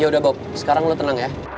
yaudah bob sekarang lu tenang ya